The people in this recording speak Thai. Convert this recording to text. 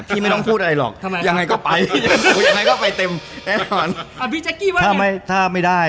ผมก็ต้องตอนแรกคิดคำอื่นไว้